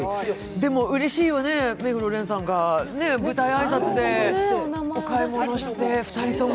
でもうれしいよね、目黒蓮さんが舞台挨拶でお買い物して、２人とも。